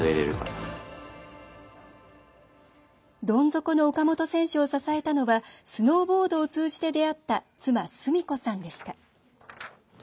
どん底の岡本選手を支えたのはスノーボードを通じて出会った妻・純子さんでした。